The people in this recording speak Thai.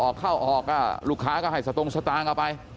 เข้าออกก็ลูกค้าก็ให้สตงสตางค์เอาไป